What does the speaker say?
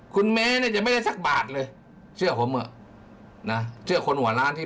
คุณเม้เนี่ยจะไม่ได้สักบาทเลยเชื่อผมอ่ะนะเชื่อคนหัวล้านที่